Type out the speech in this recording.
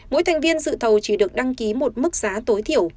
mỗi thành viên dự thầu chỉ được đăng ký một mức giá tối thiểu